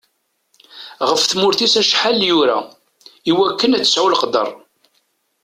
Ɣef tmurt-is acḥal yura, i wakken ad tesɛu leqder.